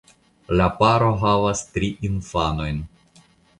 La paro havas tri infanojn.